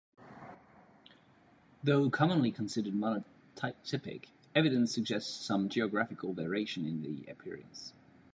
Though commonly considered monotypic, evidence suggests some geographical variation in the appearance.